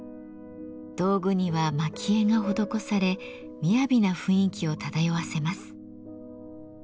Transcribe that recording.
道具には蒔絵が施されみやびな雰囲気を漂わせます。